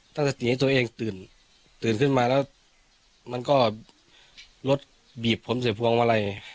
ตั้งแต่ตีให้ตัวเองตื่นตื่นขึ้นมาแล้วมันก็รถบีบผมเสียพวงมาลัย